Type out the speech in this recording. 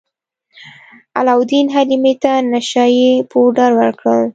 علاوالدین حلیمې ته نشه يي پوډر ورکړل.